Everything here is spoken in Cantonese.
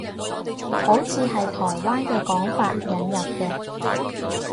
好似係台灣嘅講法，引入嘅